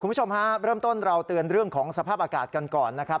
คุณผู้ชมฮะเริ่มต้นเราเตือนเรื่องของสภาพอากาศกันก่อนนะครับ